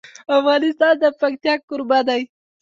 افغانستان د پکتیا کوربه دی.